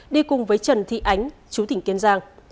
đi cùng với trần thị ánh chú tỉnh kiên giang